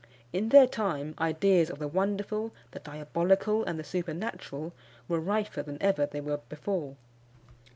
In their time, ideas of the wonderful, the diabolical, and the supernatural, were rifer than ever they were before.